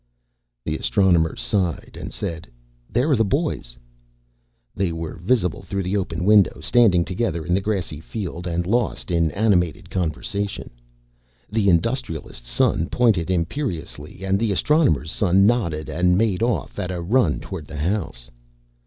The Astronomer sighed and said, "There are the boys!" They were visible through the open window, standing together in the grassy field and lost in animated conversation. The Industrialist's son pointed imperiously and the Astronomer's son nodded and made off at a run toward the house.